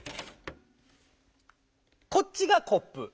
こっちがコップ。